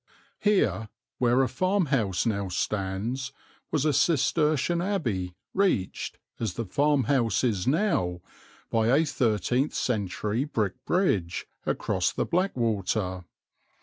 Here, where a farmhouse now stands, was a Cistercian Abbey reached, as the farmhouse is now, by a thirteenth century brick bridge across the Blackwater.